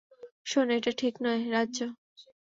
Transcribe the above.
শোন, এটা ঠিক নয় রাজ্জো।